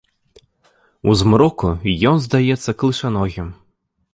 У змроку ён здаецца клышаногім.